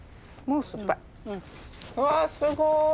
うわっすごい。